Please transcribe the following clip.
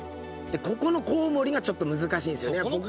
ここのコウモリがちょっと難しいんですよね。